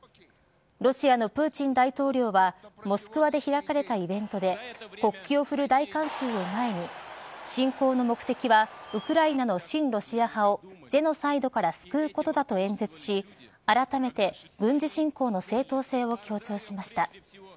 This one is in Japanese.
ロシアのプーチン大統領はモスクワで開かれたイベントで国旗を振る大観衆を前に侵攻の目的はウクライナの親ロシア派をジェノサイドから救うことだと演説しあらためて軍事侵攻の正当性を強調しました。